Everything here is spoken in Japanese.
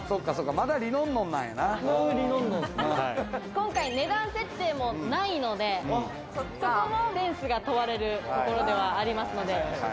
今回、値段設定もないのでそこもセンスが問われるところではありますので。